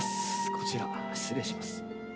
こちら側失礼します。